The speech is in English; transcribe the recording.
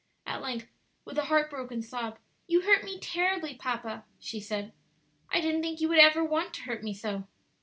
At length, with a heart broken sob, "You hurt me terribly, papa," she said; "I didn't think you would ever want to hurt me so."